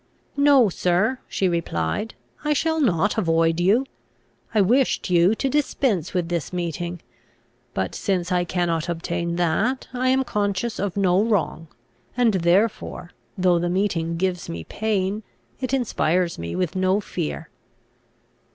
"No, sir," she replied, "I shall not avoid you. I wished you to dispense with this meeting; but since I cannot obtain that I am conscious of no wrong; and therefore, though the meeting gives me pain, it inspires me with no fear."